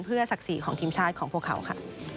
ศักดิ์ศรีของทีมชาติของพวกเขาค่ะ